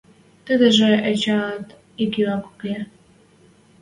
Тӹдӹжӹ эчеӓт ик юкат уке.